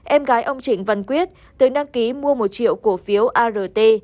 em gái ông trịnh văn quyết từng đăng ký mua một triệu cổ phiếu art